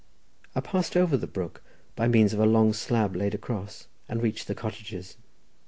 I passed over the brook by means of a long slab laid across, and reached the cottages.